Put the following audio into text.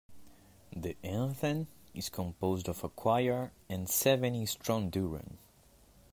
The anthem is composed of a choir and seven stroonduran.